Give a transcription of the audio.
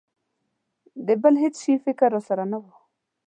د بل هېڅ شي فکر را سره نه و.